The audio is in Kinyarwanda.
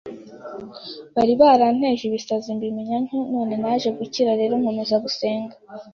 bari baranteje ibisazi mbimenya ntyo, naje guhita nkira rero nkomeza gusenga